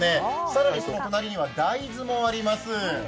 更にその隣には大豆もあります。